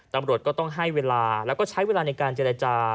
ตำรวจก็ต้องให้เวลาแล้วก็ใช้เวลาในการเจรจา